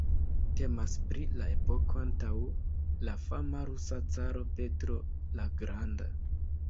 Temas pri la epoko antaŭ la fama rusa caro Petro la Granda.